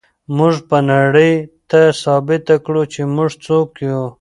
موږ به نړۍ ته ثابته کړو چې موږ څوک یو.